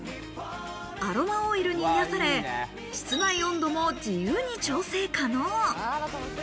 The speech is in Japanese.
アロマオイルに癒やされ、室内温度も自由に調整可能。